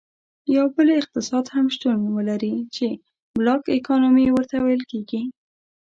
یو بل اقتصاد هم شتون ولري چې Black Economy ورته ویل کیږي.